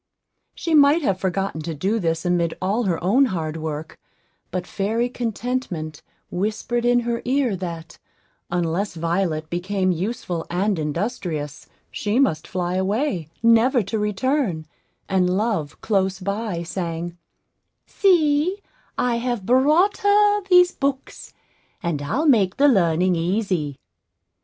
She might have forgotten to do this amid all her own hard work; but fairy Contentment whispered in her ear that, unless Violet became useful and industrious, she must fly away, never to return; and Love, close by, sang, "See I have brought her these books; and I'll make the learning easy."